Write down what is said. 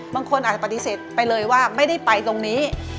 บางคนอาจจะปฏิเสธไปเลยว่าไม่ได้ไปตรงนี้